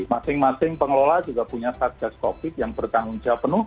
masing masing pengelola juga punya satgas covid yang bertanggung jawab penuh